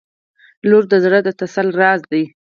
• لور د زړه د تسل راز دی.